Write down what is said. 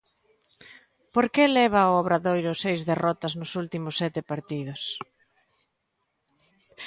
Por que leva o Obradoiro seis derrotas nos últimos sete partidos?